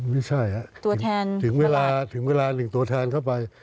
ไม่ใช่ถึงเวลา๑ตัวแทนเข้าไป